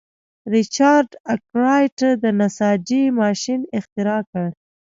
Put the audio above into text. ریچارډ ارکرایټ د نساجۍ ماشین اختراع کړ.